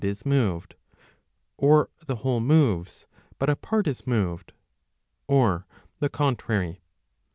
313 is moved, [or the whole moves, but a part is moved, or'] the Contrary.